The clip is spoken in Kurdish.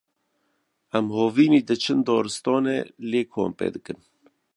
em havînî diçin daristanê lê kampê dikin